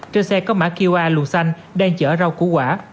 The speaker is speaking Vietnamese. trên xe có mã qr xanh đang chở rau củ quả